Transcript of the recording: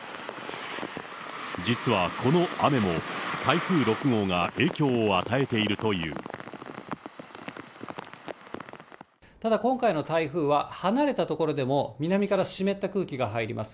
実はこの雨も、台風６号が影響をただ、今回の台風は、離れた所でも南から湿った空気が入ります。